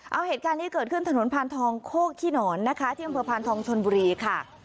เอาเหตุการณ์นี้เกิดขึ้นถนนพานทองโคกขี้หนอนนะคะที่อำเภอพานทองชนบุรีค่ะ